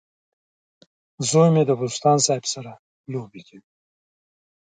زوی مې د بوسټان سیب سره لوبه کوي.